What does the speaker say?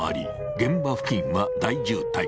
現場付近は大渋滞。